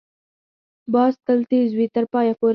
باز تل تېز وي، تر پایه پورې